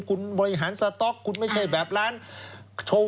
คุณบริหารสต๊อกคุณไม่ใช่แบบร้านโชว์